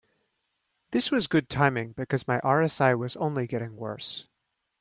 This was good timing, because my RSI was only getting worse.